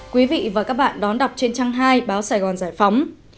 quý vị và các bạn đón đọc trên trang hai báo sài gòn giải phóng